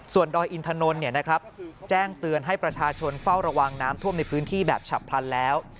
ส่วนดอยอินถนนแจ้งเตือนให้ประชาชนเฝ้าระวังน้ำท่วมในพื้นที่แบบฉับพลันแล้ว